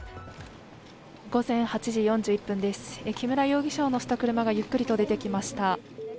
午前８時４１分です、木村容疑者を乗せた車がゆっくりと出てきました。